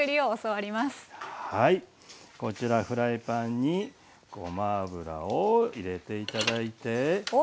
こちらフライパンにごま油を入れて頂いて。